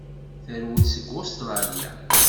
Terwel seg Ustṛalya.